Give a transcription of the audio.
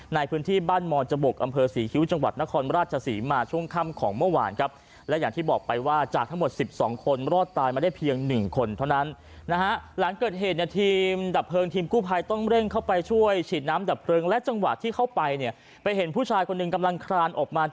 ในพื้นที่บ้านมรจบกอำเภอศรีคิ้วจังหวัดนครราชศรีมาช่วงค่ำของเมื่อวานครับ